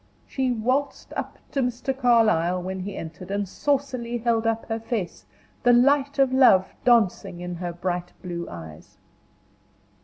She waltzed up to Mr. Carlyle when he entered, and saucily held up her face, the light of love dancing in her bright blue eyes.